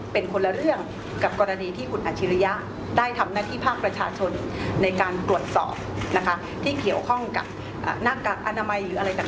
เป็นคนละเรื่องกับกรณีที่คุณอัจฉริยะได้ทำหน้าที่ภาคประชาชนในการตรวจสอบนะคะที่เกี่ยวข้องกับหน้ากากอนามัยหรืออะไรต่าง